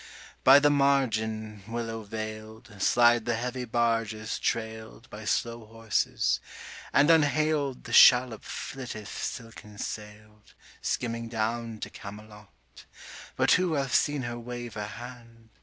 By the margin, willow veil'd, Slide the heavy barges trail'd 20 By slow horses; and unhail'd The shallop flitteth silken sail'd Skimming down to Camelot: But who hath seen her wave her hand?